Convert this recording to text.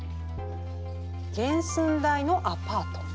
原寸大のアパート。